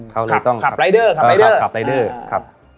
กลับรายเดอร์